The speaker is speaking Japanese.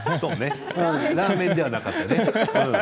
ラーメンではなかったね。